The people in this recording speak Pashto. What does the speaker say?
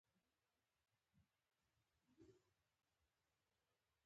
څه چې ته کوې ما هغه هير کړي دي.